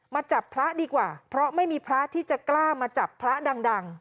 มาจับพระดีกว่าเพราะไม่มีพระที่จะกล้ามาจับพระดัง